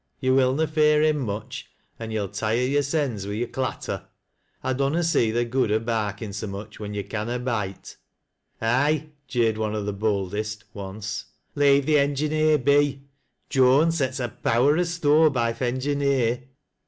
" Yo' will na fear him much, an^ yo'll tire yo'rsens wi' yo're clatter. 1 lonna see the good o' barkin' so much when yo' caana bite.' ■'Aye," jeered one of the boldest, once, "leave th' engineer be. Joan sets a power o' store by th' engineer."